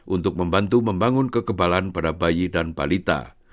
untuk membantu membangun kekebalan pada bayi dan balita